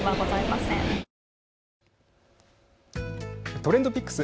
ＴｒｅｎｄＰｉｃｋｓ。